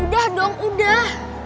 udah dong udah